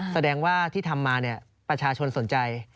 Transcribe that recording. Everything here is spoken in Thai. แสดงว่าที่ทำมาประชาชนสนใจ